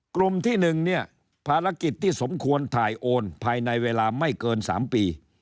กลุ่มที่๑เนี่ยภารกิจที่สมควรถ่ายโอนภายในเวลาไม่เกิน๓ปี